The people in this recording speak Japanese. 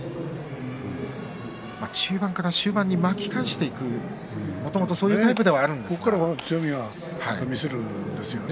中盤から終盤に巻き返していく、もともとそういうタイプではあるんですけどね。